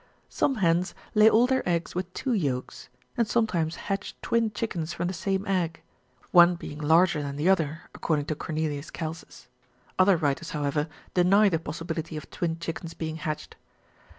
Some hens lay all their eggs with two yolks, and sometimes hatch twin chickens from the same egg, one being larger than the other, according to Cornelius Celsus : other writers, however, deny^^ the possibility of twin chickens being hatched.